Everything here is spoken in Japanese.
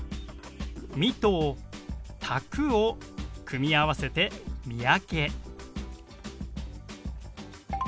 「ミ」と「宅」を組み合わせて「三宅」。